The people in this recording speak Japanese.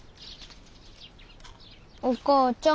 お母ちゃん。